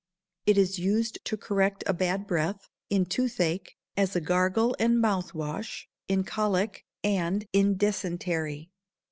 It is used to correct a bad breath, in tooth ache, as a gargle and mouth wash, in colic, and in dysentery.